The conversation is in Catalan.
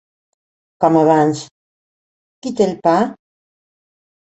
Com abans: qui té el pa?